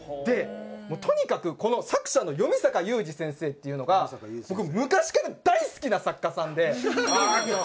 とにかくこの作者の詠坂雄二先生っていうのが僕昔から大好きな作家さんで！